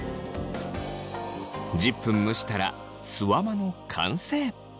１０分蒸したらすわまの完成。